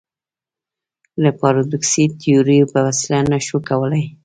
له پاراډوکسي تیوریو په وسیله نه شو کولای.